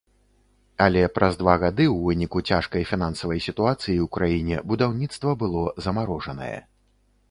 Але праз два гады у выніку цяжкай фінансавай сітуацыі ў краіне будаўніцтва было замарожанае.